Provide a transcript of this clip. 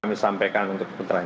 kami sampaikan untuk putra ini